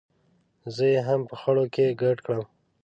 زه یې هم په خړو کې ګډ کړم.